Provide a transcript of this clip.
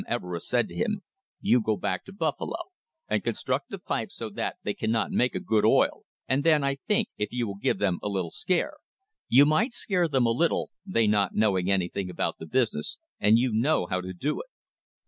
Everest said to him: "You go back to Buffalo and construct the pipes so that they cannot make a good oil, and then, I think, if you would give them a little scare. You might scare them a little, they not knowing anything about the business, and you know how to do it."